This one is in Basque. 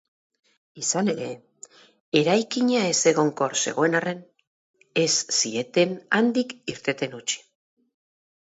Izan ere, eraikina ezegonkor zegoen arren, ez zieten handik irteten utzi.